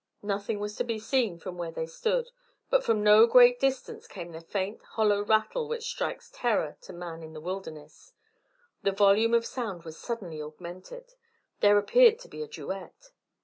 Nothing was to be seen from where they stood, but from no great distance came the faint hollow rattle which strikes terror to man in the wilderness. The volume of sound was suddenly augmented: there appeared to be a duet.